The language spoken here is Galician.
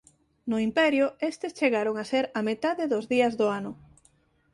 No Imperio estes chegaron a ser a metade dos días do ano.